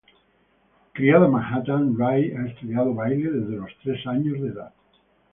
Criada en Manhattan, Ray ha estudiado baile desde los tres años de edad.